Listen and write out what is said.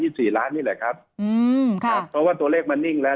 ไม่เกิน๒๓๒๔ล้านนี่แหละครับเพราะว่าตัวเลขมันนิ่งแล้ว